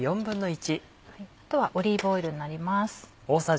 あとはオリーブオイルになります。